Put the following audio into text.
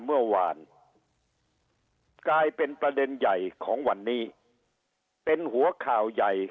เมื่อวานกลายเป็นประเด็นใหญ่ของวันนี้เป็นหัวข่าวใหญ่